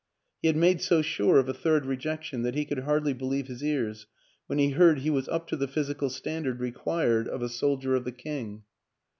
He had made so sure of a third rejection that he could hardly believe his ears when he heard he was up to the physical standard required of a 238 WILLIAM AN ENGLISHMAN soldier of the King.